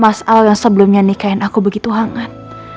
mas al yang sebelumnya nikahin aku begitu hangat